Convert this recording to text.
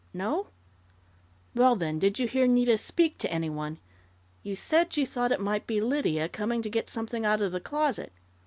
No?... Well, then, did you hear Nita speak to anyone? You said you thought it might be Lydia, coming to get something out of the closet."